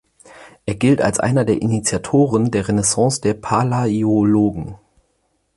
Er gilt als einer der Initiatoren der Renaissance der Palaiologen.